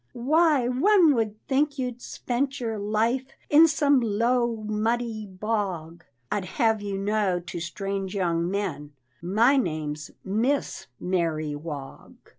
"Why, one would think you'd spent your life In some low, muddy bog. I'd have you know to strange young men My name's Miss Mary Wog."